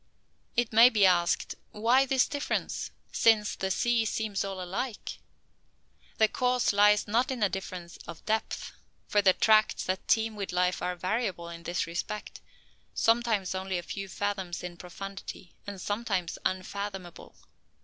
It may be asked, Why this difference, since the sea seems all alike? The cause lies not in a difference of depth: for the tracts that teem with life are variable in this respect, sometimes only a few fathoms in profundity, and sometime unfathomable.